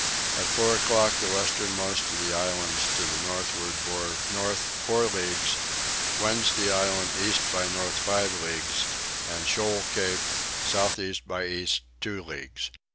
At four o'clock the westernmost of the islands to the northward bore north four leagues; Wednesday Island east by north five leagues, and shoal cape south east by east two leagues.